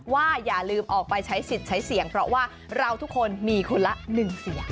อย่าลืมออกไปใช้สิทธิ์ใช้เสียงเพราะว่าเราทุกคนมีคนละ๑เสียง